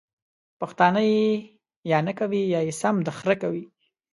پښتانه ېې یا نکوي یا يې سم د خره کوي!